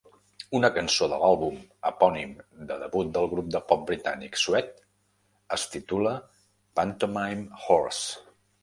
Una cançó de l"àlbum epònim de debut del grup de pop britànic Suede es titula "Pantomime Horse".